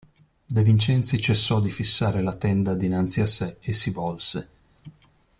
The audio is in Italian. De Vincenzi cessò di fissare la tenda dinanzi a sé e si volse.